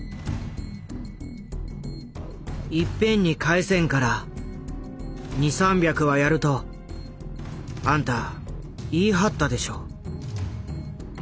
「いっぺんに返せんから２３百はやるとあんた言いはったでしょ」。